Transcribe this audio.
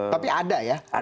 tapi ada ya